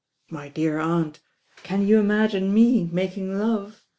"My dear aunt, can you imagine me making love?